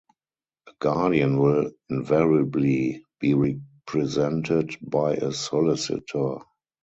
A Guardian will invariably be represented by a solicitor.